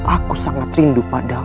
aku sangat rindu padamu